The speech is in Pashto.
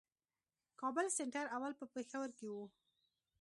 کابل سېنټر اول په پېښور کښي وو.